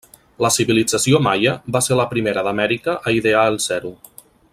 La civilització maia va ser la primera d'Amèrica a idear el zero.